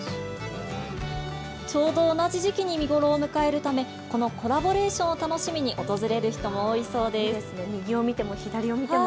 ちょうど同じ時期に見頃を迎えるためこのコラボレーションを楽しみに訪れる人も多いそうです。